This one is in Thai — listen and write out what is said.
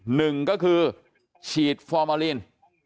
หนึ่งก็คือฉีดฟอร์มาลีน